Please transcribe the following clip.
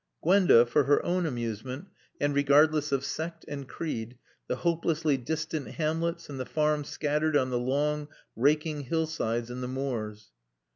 Gwenda, for her own amusement, and regardless of sect and creed, the hopelessly distant hamlets and the farms scattered on the long, raking hillsides and the moors.